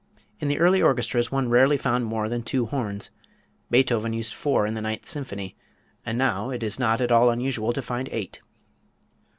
In the early orchestras one rarely found more than two horns. Beethoven used four in the Ninth Symphony, and now it is not at all unusual to find eight.